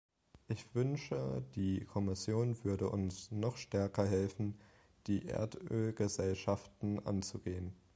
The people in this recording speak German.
Ich wünsche, die Kommission würde uns noch stärker helfen, die Erdölgesellschaften anzugehen.